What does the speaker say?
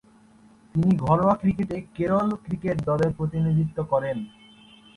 তিনি ঘরোয়া ক্রিকেটে কেরল ক্রিকেট দলের প্রতিনিধিত্ব করেন।